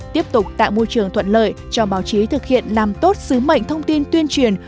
tiếp tục tạo môi trường thuận lợi cho báo chí thực hiện làm tốt sứ mệnh thông tin tuyên truyền